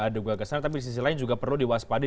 juga gesekan tapi di sisi lain juga perlu diwaspadi